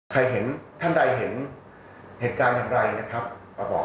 ใครเห็นท่านใดเห็นเหตุการณ์ทำไรนะครับ